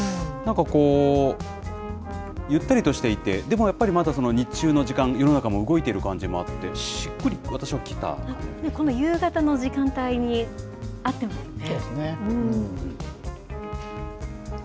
なんかこう、ゆったりとしていて、でもやっぱり、まだ日中の時間、世の中も動いてる感じもあって、しっくり、私はこの夕方の時間帯に合ってまそうですね。